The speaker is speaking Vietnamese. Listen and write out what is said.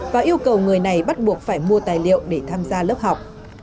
và yêu cầu người này bắt buộc phải mua tài liệu để tham gia lớp học